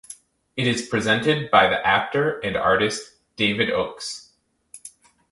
It is presented by the actor and artist David Oakes.